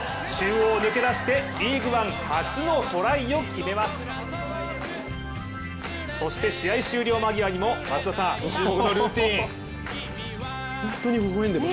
中央抜け出し、リーグワン、初のトライを決めますそして試合終了間際にもこのルーチン。